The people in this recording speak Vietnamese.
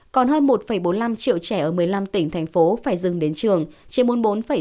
còn hơn một bốn mươi năm triệu trẻ ở một mươi năm tỉnh thành phố phải dừng đến trường trên bốn mươi bốn sáu mươi chín